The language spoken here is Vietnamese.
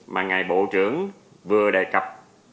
mà ngày bộ trưởng vừa đề cập